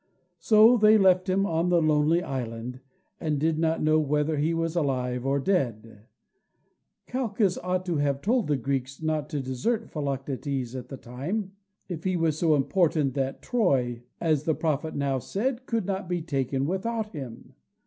So they left him on the lonely island, and did not know whether he was alive or dead. Calchas ought to have told the Greeks not to desert Philoctetes at the time, if he was so important that Troy, as the prophet now said, could not be taken without him.